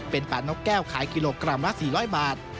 เป็นป่านกแก้วขายกิโลกรัมละ๔๐๐บาท